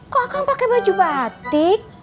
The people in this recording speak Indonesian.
kok akang pake baju batik